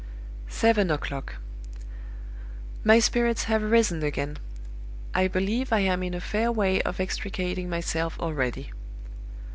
"Seven o'clock. My spirits have risen again. I believe I am in a fair way of extricating myself already.